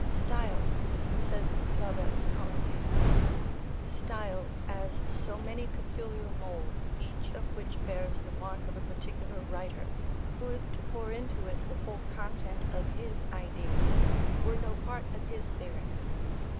Styles (says Flaubert's commentator), Styles, as so many peculiar moulds, each of which bears the mark of a particular writer, who is to pour into it the whole content of his ideas, were no part of his theory.